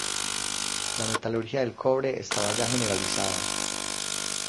La metalurgia del cobre estaba ya generalizada.